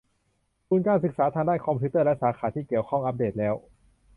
ทุนการศึกษาทางด้านคอมพิวเตอร์และสาขาที่เกี่ยวข้อง อัปเดตแล้ว